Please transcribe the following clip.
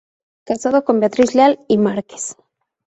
Casado con Beatriz Leal y Márquez.